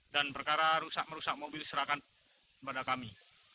dan perkara rusak merusak mobil serahkan kepada kami